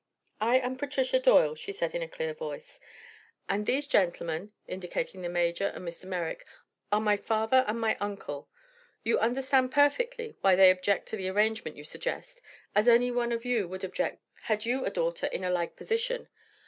"I am Patricia Doyle," she said in a clear voice, "and these gentlemen," indicating the Major and Mr. Merrick, "are my father and my uncle. You understand perfectly why they object to the arrangement you suggest, as any one of you would object, had you a daughter in a like position.